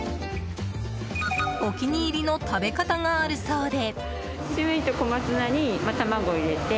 お気に入りの食べ方があるそうで。